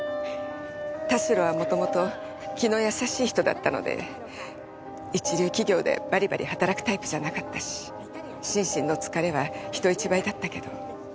田代は元々気の優しい人だったので一流企業でバリバリ働くタイプじゃなかったし心身の疲れは人一倍だったけど。